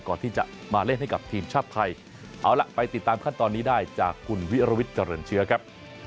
ก่อนที่จะมาเล่นให้กับทีมชาติไทยเอาล่ะไปติดตามขั้นตอนนี้ได้จากคุณวิรวิทย์เจริญเชื้อครับ